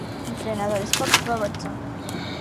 Entrenador: Scott Robertson.